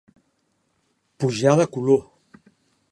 Pujar de color.